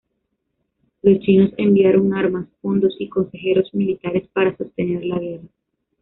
Los chinos enviaron armas, fondos, y consejeros militares para sostener la guerra.